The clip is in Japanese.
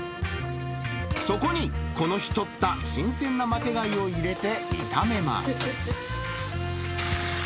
そこにこの日取った新鮮なマテ貝を入れて炒めます。